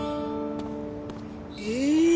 え！